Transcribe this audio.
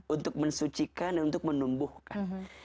untuk mensucikan dan untuk menumbuhkan